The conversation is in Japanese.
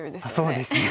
そうですね。